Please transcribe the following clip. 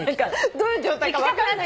どういう状態か分かんない。